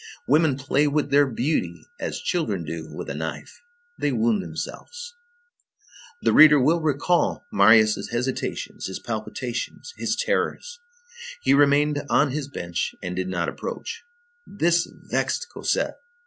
Women play with their beauty as children do with a knife. They wound themselves. The reader will recall Marius' hesitations, his palpitations, his terrors. He remained on his bench and did not approach. This vexed Cosette.